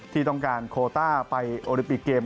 ที่ต้องการโคต้าไปโอลิปิกเกม